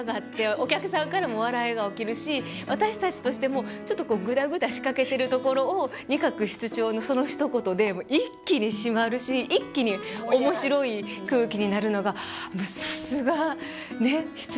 お客さんからも笑いが起きるし私たちとしてもちょっとぐだぐだしかけてるところを仁鶴室長のそのひと言で一気に締まるし一気に面白い空気になるのがさすが室長といつも思って。